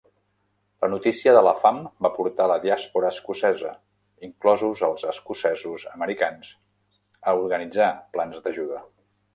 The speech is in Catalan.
La notícia de la fam va portar la diàspora escocesa, inclosos els escocesos-americans, a organitzar plans d'ajuda.